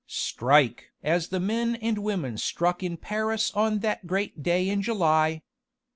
"Strike! as the men and women struck in Paris on that great day in July.